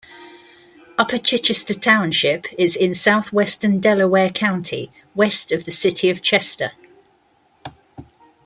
Upper Chichester Township is in southwestern Delaware County, west of the city of Chester.